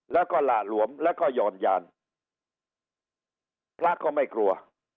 แล้วก็หละหลวมแล้วก็หย่อนยานพระก็ไม่กลัว